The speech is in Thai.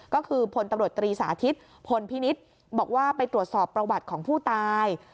ก็คือพลตำรวจตรีสาธิตพลพินิษฐ์บอกว่าไปตรวจสอบประวัติของผู้ตาย